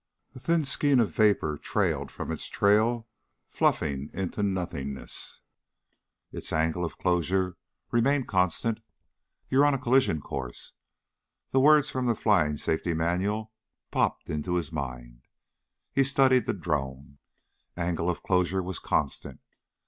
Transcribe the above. A thin skein of vapor trailed from its trail, fluffing into nothingness. If angle of closure remains constant, you're on collision course. The words from the Flying Safety Manual popped into his mind. He studied the drone. Angle of closure was constant!